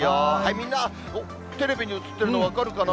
みんなテレビに映ってるの分かるかな？